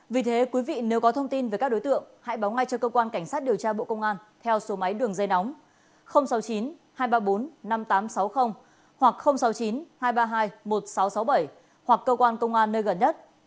vì thế quý vị nếu có thông tin về các đối tượng hãy báo ngay cho cơ quan cảnh sát điều tra bộ công an theo số máy đường dây nóng sáu mươi chín hai trăm ba mươi bốn năm nghìn tám trăm sáu mươi hoặc sáu mươi chín hai trăm ba mươi hai một nghìn sáu trăm sáu mươi bảy hoặc cơ quan công an nơi gần nhất